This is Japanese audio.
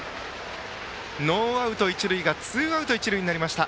ノーアウト、一塁がツーアウト、一塁になりました。